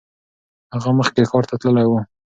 هغه مخکې ښار ته تللی و.